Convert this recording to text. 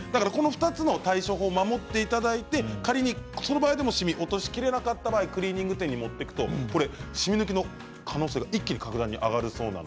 ２つの対処法、守っていただいてその場合でもしみを落としきれなかった時はクリーニング店に持っていくとしみ抜きの可能性が格段に一気に上がるそうです。